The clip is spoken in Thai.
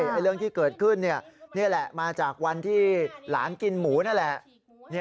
เรื่องที่เกิดขึ้นนี่แหละมาจากวันที่หลานกินหมูนั่นแหละ